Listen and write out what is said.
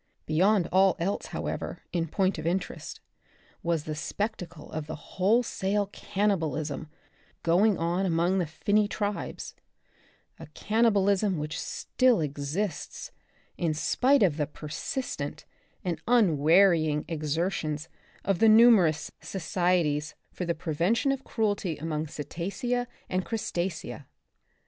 Beyond all else, however, in point of interest, was the spectacle of the wholesale cannibalism going on among the finny tribes, a cannibalism which still exists, in spite of the persistent and unwearying exertions of the numerous Societies for the Prevention of Cruelty among Cetacea and Crustacea.